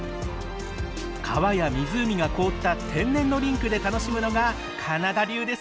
川や湖が凍った天然のリンクで楽しむのがカナダ流ですよ。